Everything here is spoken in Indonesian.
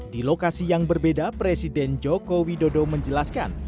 di lokasi yang berbeda presiden joko widodo menjelaskan